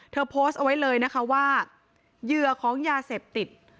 โพสต์เอาไว้เลยนะคะว่าเหยื่อของยาเสพติด